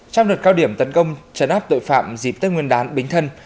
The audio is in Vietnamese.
trong đợt cao điểm tấn công trấn áp tội phạm dịp tới nguyên đán bình thân